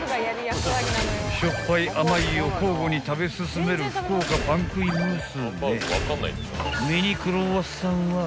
［しょっぱい甘いを交互に食べ進める福岡パン食い娘］